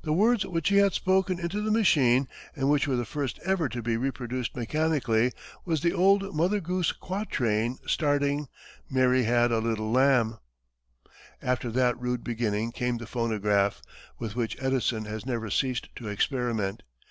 The words which he had spoken into the machine and which were the first ever to be reproduced mechanically, was the old Mother Goose quatrain, starting, "Mary had a Little Lamb." From that rude beginning came the phonograph, with which Edison has never ceased to experiment.